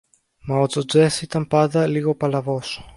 μα ο Τζοτζές ήταν πάντα λίγο παλαβός.